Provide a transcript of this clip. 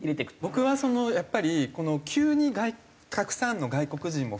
僕はそのやっぱり急にたくさんの外国人を増やす。